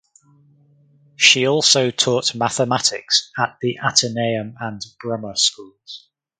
She also taught mathematics at the Ateneum and Brummer schools.